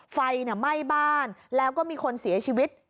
ไฟไหม้บ้านแล้วก็มีคนเสียชีวิต